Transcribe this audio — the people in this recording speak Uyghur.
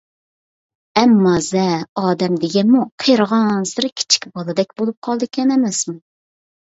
ئەممازە، ئادەم دېگەنمۇ قېرىغانسېرى كىچىك بالىدەك بولۇپ قالدىكەن ئەمەسمۇ.